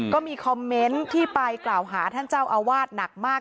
ก็มีคอมเมนต์ที่ไปกล่าวหาท่านเจ้าอาวาสหนักมาก